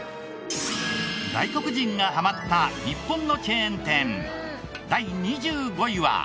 外国人がハマった日本のチェーン店第２５位は。